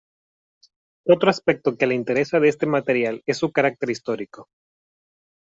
Otro aspecto que le interesa de este material es su carácter histórico.